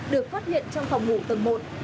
được phát hiện trong phòng ngủ tầng một